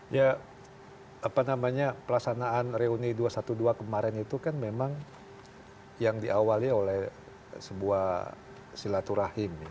ya apa namanya pelaksanaan reuni dua ratus dua belas kemarin itu kan memang yang diawali oleh sebuah silaturahim